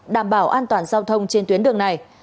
đảm bảo an toàn giao thông trên tuyến đường này